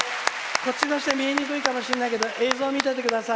こっちの人見えにくいかもしれないけど映像見ててください。